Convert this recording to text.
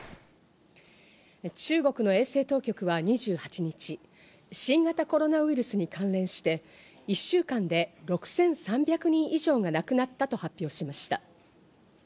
中国の衛生当局は２８日、新型コロナウイルスに関連して１週間で６３００人以上が亡くなったと発表しました。